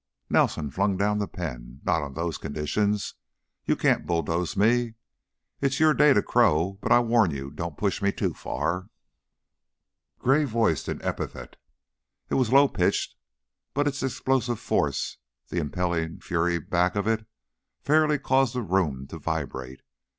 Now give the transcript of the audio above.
Nelson flung down the pen. "Not on those conditions. You can't bulldoze me. It's your day to crow, but, I warn you, don't push me too far." Gray voiced an epithet. It was low pitched, but its explosive force, the impelling fury back of it, fairly caused the room to vibrate.